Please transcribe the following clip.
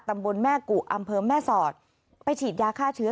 ตำบลแม่กุอำเภอแม่สอดไปฉีดยาฆ่าเชื้อ